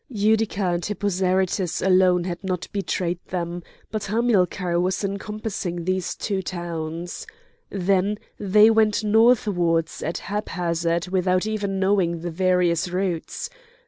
Utica and Hippo Zarytus alone had not betrayed them; but Hamilcar was encompassing these two towns. Then they went northwards at haphazard without even knowing the various routes.